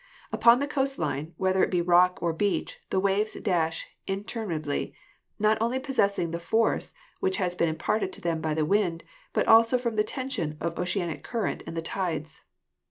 Upon the coast line, whether it be rock or beach, the waves dash interminably, not only possessing the force which has been imparted to them by the wind but also from the tension of oceanic current and the tides.